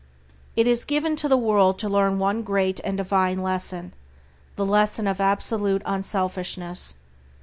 It is given to the world to learn one great and divine lesson, the lesson of absolute unselfishness.